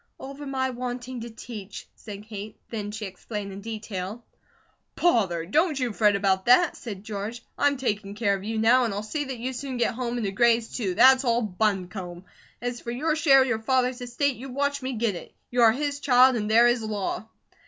"Over my wanting to teach," said Kate. Then she explained in detail. "Pother! Don't you fret about that!" said George. "I'm taking care of you now, and I'll see that you soon get home and to Grays', too; that's all buncombe. As for your share of your father's estate, you watch me get it! You are his child, and there is law!"